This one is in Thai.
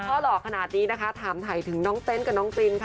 เพราะหลอกขนาดนี้ถามถ่ายถึงน้องเต้นต์กับน้องตินต์